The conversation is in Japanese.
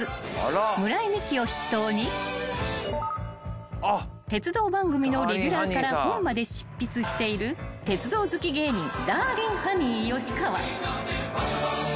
［村井美樹を筆頭に鉄道番組のレギュラーから本まで執筆している鉄道好き芸人ダーリンハニー吉川］